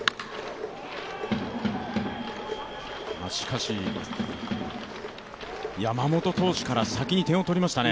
しかし山本投手から先に点を取りましたね。